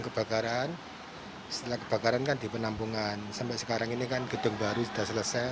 kebakaran setelah kebakaran kan di penampungan sampai sekarang ini kan gedung baru sudah selesai